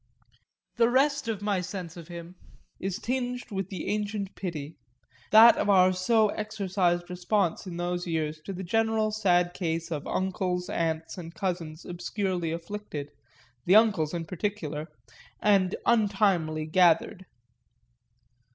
The rest of my sense of him is tinged with the ancient pity that of our so exercised response in those years to the general sad case of uncles, aunts and cousins obscurely afflicted (the uncles in particular) and untimely gathered.